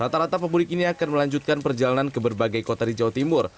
rata rata pemudik ini akan melanjutkan perjalanan ke berbagai kota di jawa timur